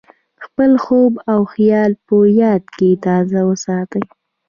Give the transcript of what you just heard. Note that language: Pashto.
خپل خوب او خیال په یاد کې تازه وساتئ.